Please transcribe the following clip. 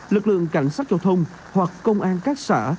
lực lượng cảnh sát giao thông hoặc công an các xã